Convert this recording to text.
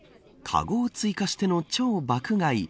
かごを追加しての超爆買い。